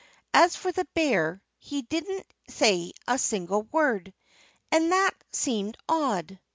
As for the bear, he didn't say a single word. And that seemed odd.